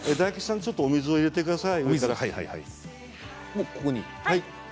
ちょっとお水を入れてください。